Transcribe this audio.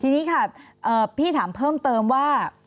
ทีนี้ค่ะพี่ถามเพิ่มเติมว่า